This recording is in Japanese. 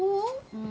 うん。